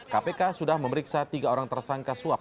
kpk sudah memeriksa tiga orang tersangka suap